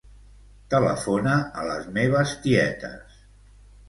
Telefona a les meves tietes.